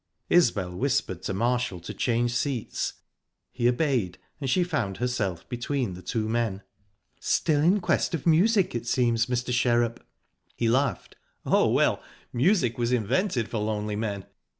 Isbel whispered to Marshall to change seats. He obeyed, and she found herself between the two men. "Still in quest of music, it seems, Mr. Sherrup?" He laughed. "Oh, well, music was invented for lonely men."